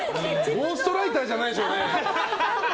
ゴーストライターじゃないですよね。